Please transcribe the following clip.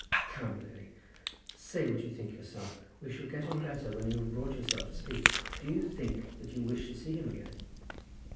"Come, Lily, say what you think yourself. We shall get on better when you have brought yourself to speak. Do you think that you wish to see him again?"